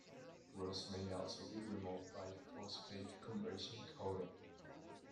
Rust may also be removed by phosphate conversion coating.